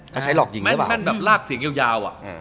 เขาใช้หลอกหยิงหรือเปล่าแม่นแบบลากเสียงยาวอ่ะ